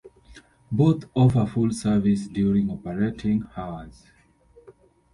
Both offer full service during operating hours.